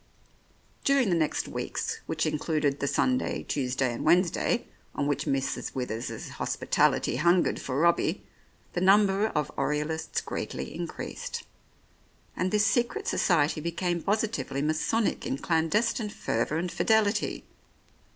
... During the next weeks which included the Sunday, Tuesday and Wednesday, on which Mrs. Withers's hospitality hungered for Robbie, the number of Oriolists greatly increased, and this secret society became positively masonic in clandestine fervour and fidelity.